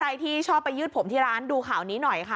ใครที่ชอบไปยืดผมที่ร้านดูข่าวนี้หน่อยค่ะ